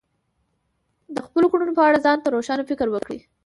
د خپلو کړنو په اړه ځان ته روښانه فکر وکړئ.